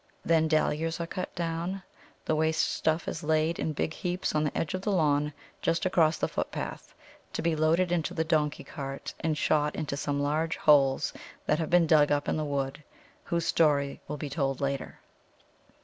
Then Dahlias are cut down. The waste stuff is laid in big heaps on the edge of the lawn just across the footpath, to be loaded into the donkey cart and shot into some large holes that have been dug up in the wood, whose story will be told later.